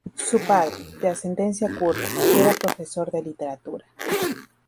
Su padre, de ascendencia kurda, era profesor de literatura.